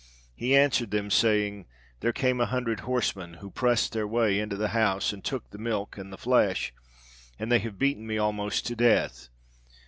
he answered them, saying, 'There came a hundred horsemen, who pressed their way into the house, and took the milk and the flesh, and they have beaten me almost to death.